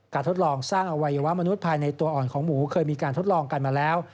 ทดลองสร้างอวัยวะมนุษย์ภายในตัวอ่อนของหมูเคยมีการทดลองกันมาแล้ว